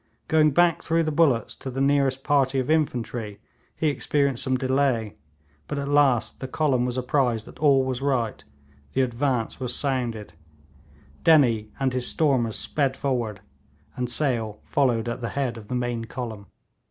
Going back through the bullets to the nearest party of infantry, he experienced some delay, but at last the column was apprised that all was right, the 'advance' was sounded, Dennie and his stormers sped forward, and Sale followed at the head of the main column.